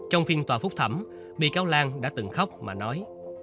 trong phiên tòa phúc thẩm bi cao lan đã từng khóc mà nói